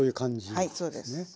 はいそうです。